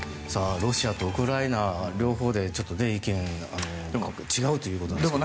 ロシアとウクライナ、両方で意見が違うということですが。